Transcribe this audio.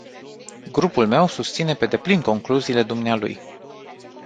Grupul meu susține pe deplin concluziile dumnealui.